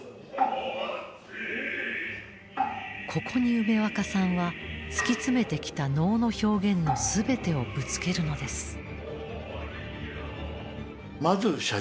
ここに梅若さんは突き詰めてきた能の表現の全てをぶつけるのです。